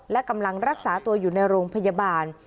และกำลังรักษาตัวอยู่ในโรงพยาบาล